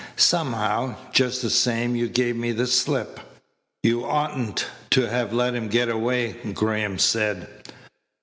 Somehow, just the same you gave me the slip." "You oughtn't to have let him get away," Graham said.